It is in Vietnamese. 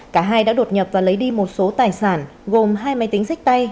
cả hai đã đột nhập và lấy đi một số tài sản gồm hai máy tính sách tay